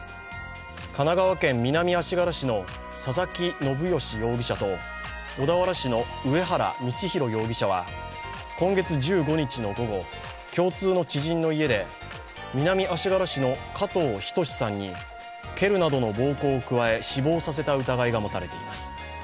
神奈川県南足柄市の佐々木信吉容疑者と小田原市の上原教弘容疑者は今月１５日の午後共通の知人の家で南足柄市の加藤仁志さんに蹴るなどの暴行を加え、死亡させた疑いが持たれています。